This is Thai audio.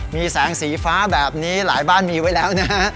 มีแสงสีฟ้าแบบนี้หลายบ้านมีไว้แล้วนะฮะ